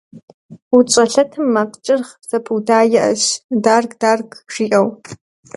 УдзщӀэлъэтым макъ кӀыргъ зэпыуда иӀэщ, «дарг-дарг», жиӀэу.